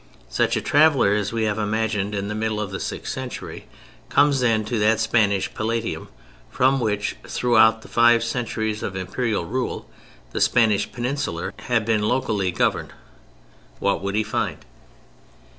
Such a traveler as we have imagined in the middle of the sixth century comes, then, to that Spanish Palatium from which, throughout the five centuries of Imperial rule, the Spanish Peninsular had been locally governed. What would he find?